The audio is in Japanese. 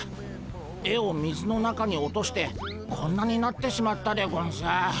絵を水の中に落としてこんなになってしまったでゴンス。